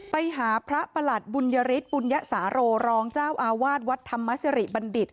ไปหาพระประหลัดบุญยฤทธบุญญสาโรรองเจ้าอาวาสวัดธรรมสิริบัณฑิต